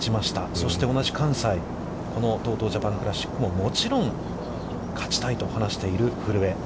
そして、同じ関西、このＴＯＴＯジャパンクラシックももちろん、勝ちたいと話している古江。